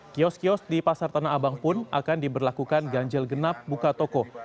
kios kios di pasar tanah abang pun akan diberlakukan ganjil genap buka toko